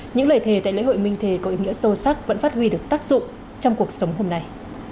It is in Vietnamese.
những lời thề tại lễ hội minh thề có ý nghĩa sâu sắc vẫn phát huy được tác dụng trong cuộc sống hôm nay